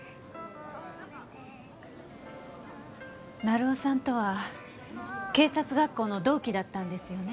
成尾さんとは警察学校の同期だったんですよね？